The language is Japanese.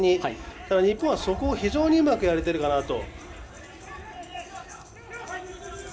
ただ、日本はそこを非常にうまくやれているかなと。